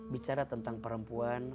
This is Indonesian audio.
bicara tentang perempuan